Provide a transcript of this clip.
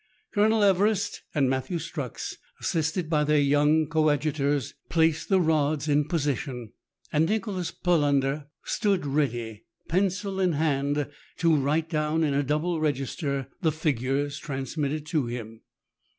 Colonel Everest and Matthew Strux, assisted by their young coadjutors, placed the rods in position, and Nicholas Palander stood ready, pencil in hand, to write down in a double register the figures transmitted to him.